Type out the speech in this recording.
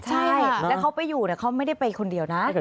ใช่แล้วเขาไปอยู่เขาไม่ได้ไปคนเดียวนะ